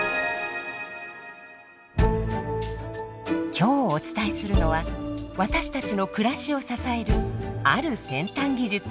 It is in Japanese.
今日お伝えするのは私たちの暮らしを支えるある先端技術。